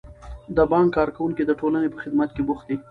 د بانک کارکوونکي د ټولنې په خدمت کې بوخت دي.